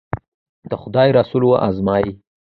د خدای رسول و ازمایي.